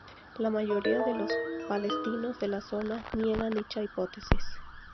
La mayoría de los palestinos de la zona niegan dicha hipótesis.